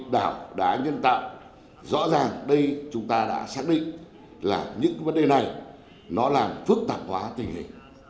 đảng đã xác định là những vấn đề này nó làm phức tạp hóa tình hình